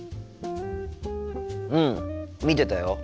うん見てたよ。